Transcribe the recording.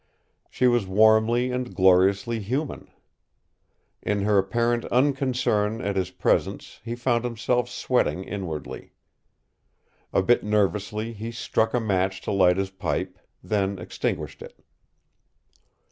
She was warmly and gloriously human. In her apparent unconcern at his presence he found himself sweating inwardly. A bit nervously he struck a match to light his pipe, then extinguished it.